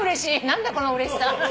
何だこのうれしさ。